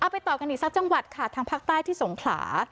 ไปต่อกันอีกสักจังหวัดค่ะทางภาคใต้ที่สงขลา